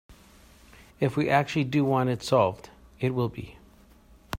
If we actually do want it solved, it will be.